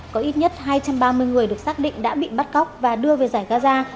có ít nhất hai trăm ba mươi người được xác định đã bị bắt cóc và đưa về giải gaza